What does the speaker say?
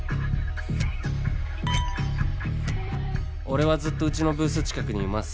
「オレはずっとうちのブース近くにいます」